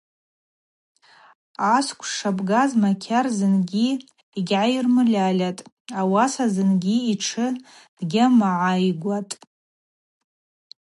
Асквш шабгаз Макьар зынгьи йгьгӏаймырльальатӏ, ауаса зынгьи йтшы дгьамайгваутӏ.